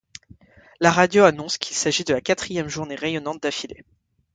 La radio annonce qu'il s'agit de la quatrième journée rayonnante d'affilée.